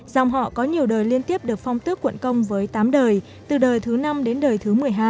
dòng họ có nhiều đời liên tiếp được phong tước quận công với tám đời từ đời thứ năm đến đời thứ một mươi hai